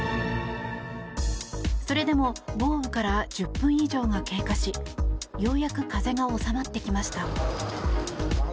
それでも豪雨から１０分以上が経過しようやく風が収まってきました。